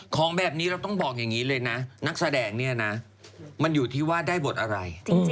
ของแบบนี้เราต้องบอกอย่างนี้เลยนะนักแสดงเนี่ยนะมันอยู่ที่ว่าได้บทอะไร